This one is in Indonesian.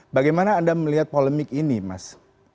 bagaimana anda melihat polemik ini mas